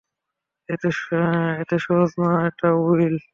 এতে সহজ না এটা, উইল।